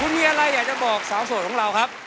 คุณมีอะไรอยากจะบอกสาวโสดของเราครับ